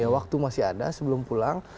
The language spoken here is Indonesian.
waktu masih ada sebelum pulang